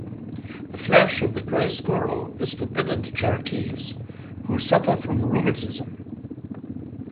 The flesh of the grey squirrel is forbidden to Cherokees who suffer from rheumatism.